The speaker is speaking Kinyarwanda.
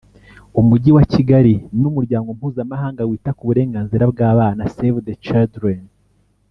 umujyi wa Kigali n’umuryango mpuzamahanga wita ku burenganzira bw’abana Save The Children